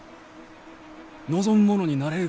望む者になれるがやき！